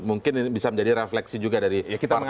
mungkin ini bisa menjadi refleksi juga dari partai